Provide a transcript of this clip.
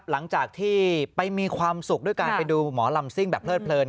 หลังจากที่ไปมีความสุขด้วยการไปดูหมอลำซิ่งแบบเพลิดเพลิน